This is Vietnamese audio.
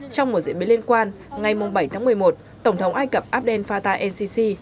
trong một diễn biến liên quan ngày bảy tháng một mươi một tổng thống ai cập abdel fattah el sisi